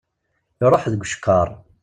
Iṛuḥ deg ucekkaṛ!